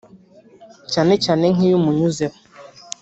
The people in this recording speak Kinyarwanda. cyane cyane nkiyo umunyuzeho